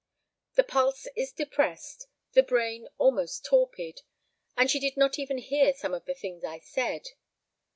The pulse is depressed, the brain almost torpid, and she did not even hear some of the things I said.